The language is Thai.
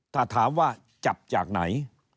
ถ้าถามว่าจับจากไหน